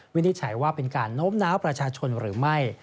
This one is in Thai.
นิจฉัยว่าเป็นการโน้มน้าวประชาชนหรือไม่